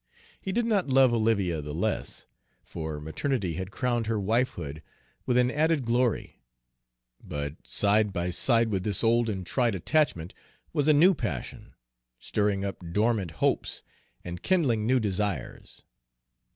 He did not love Olivia the less, for maternity had crowned her wifehood with an added glory; but side by side with this old and tried attachment was a new passion, stirring up dormant hopes and kindling new desires.